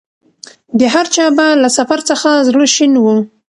د هرچا به له سفر څخه زړه شین وو